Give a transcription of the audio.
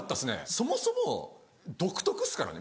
そもそも独特ですからね。